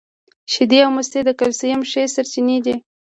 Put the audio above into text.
شیدې او مستې د کلسیم ښې سرچینې دي